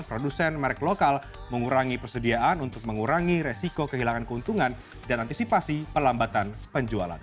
produsen merek lokal mengurangi persediaan untuk mengurangi resiko kehilangan keuntungan dan antisipasi pelambatan penjualan